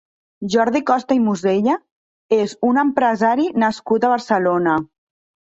Jordi Costa i Mosella és un empresari nascut a Barcelona.